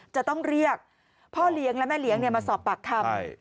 จะต้องเรียกพ่อเลี้ยงและแม่เลี้ยงมาสอบปากคำ